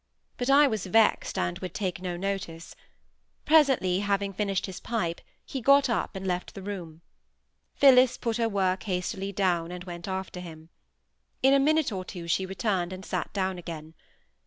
But I was vexed, and would take no notice. Presently, having finished his pipe, he got up and left the room. Phillis put her work hastily down, and went after him. In a minute or two she returned, and sate down again.